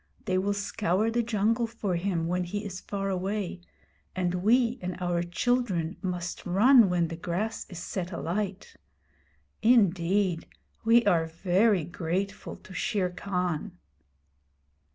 They will scour the jungle for him when he is far away, and we and our children must run when the grass is set alight. Indeed, we are very grateful to Shere Khan!'